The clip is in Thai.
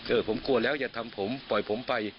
ผมกลัวแล้วอย่าทำผมปล่อยผมไป